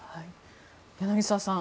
柳澤さん